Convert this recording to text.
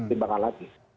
untuk diimbangkan lagi